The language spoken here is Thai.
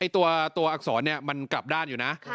ตัวอักษรมันกลับด้านอยู่นะ